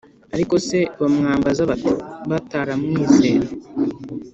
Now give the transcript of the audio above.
ariko se bamwambaza bate bataramwizera?